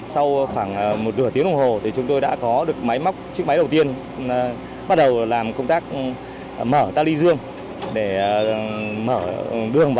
sau khoảng một nửa tiếng đồng hồ thì chúng tôi đã có được máy móc chiếc máy đầu tiên bắt đầu làm công tác mở ta luy dương